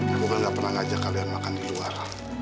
aku kan gak pernah ngajak kalian makan di luar